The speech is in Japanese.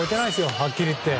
はっきり言って。